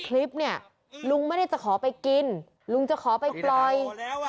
คลิปเนี่ยลุงไม่ได้จะขอไปกินลุงจะขอไปปล่อย